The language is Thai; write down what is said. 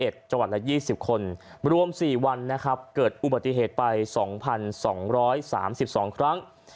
โดยรวม๔วันเกิดอุบัติเหตุไป๒๒๓๒ครั้ง